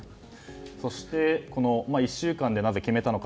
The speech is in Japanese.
そして、１週間でなぜ決めたのか。